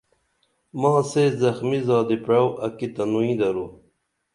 ماں سے زخمی زادی پرعو اکی تنوئی درو